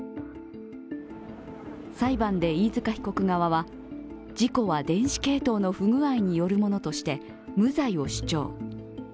裁判で飯塚被告側は、事故は電子系統の不具合によるものとして無罪を主張。